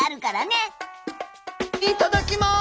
いただきます。